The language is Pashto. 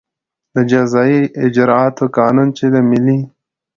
د جزایي اجراآتو قانون چې د ملي